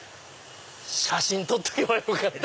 写真撮っとけばよかった！